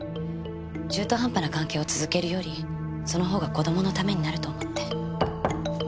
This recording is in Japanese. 中途半端な関係を続けるよりその方が子供のためになると思って。